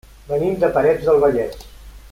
Venim de Parets del Vallès.